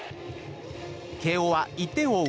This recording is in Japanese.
慶應は１点を追う